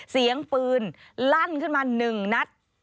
เสียงปืนลั่นขึ้นมา๑นัด